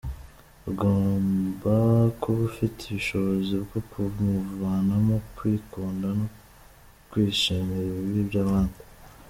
Ugomba kuba ufite ubushobozi bwo kumuvanamo kwikunda no kwishimira ibibi by’abandi.